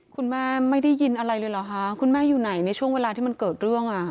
คุณแม่ไม่ได้ยินอะไรเลยเหรอคะคุณแม่อยู่ไหนในช่วงเวลาที่มันเกิดเรื่องอ่ะ